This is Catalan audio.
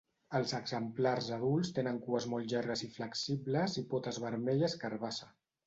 Els exemplars adults tenen cues molt llargues i flexibles i potes vermelles-carbassa.